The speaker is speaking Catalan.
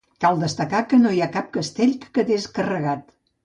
Cal destacar que no hi ha cap castell que quedés carregat.